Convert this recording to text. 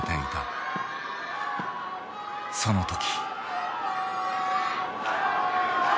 その時。